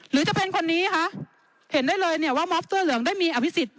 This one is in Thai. หรือจะเป็นคนนี้คะเห็นได้เลยเนี่ยว่ามอบเสื้อเหลืองได้มีอภิษฎ